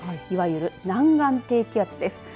いわゆる南岸低気圧です。